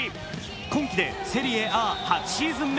今季でセリエでＡ８シーズン目。